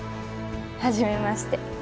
はじめまして。